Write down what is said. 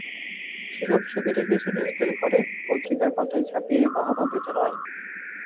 সেসব ছবি রেখেছে নিজেদের ঘরে, পত্রিকার পাতায় ছাপিয়ে বাহবা পেতে নয়।